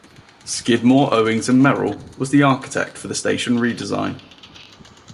Skidmore, Owings and Merrill was the architect for the station redesign.